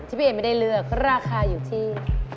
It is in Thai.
พี่เอไม่ได้เลือกราคาอยู่ที่